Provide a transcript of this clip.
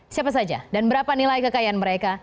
siapa saja dan berapa nilai kekayaan mereka